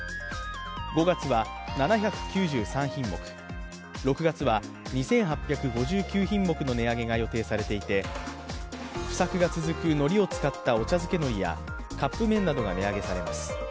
５月は７９３品目、６月な２８５９品目の値上げが予定されていて不作が続くのりを使ったお茶づけ海苔やカップ麺などが値上げされます。